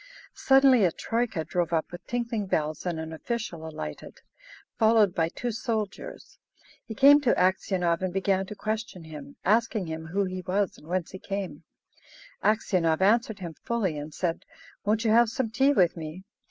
Suddenly a troika drove up with tinkling bells and an official alighted, followed by two soldiers. He came to Aksionov and began to question him, asking him who he was and whence he came. Aksionov answered him fully, and said, "Won't you have some tea with me?"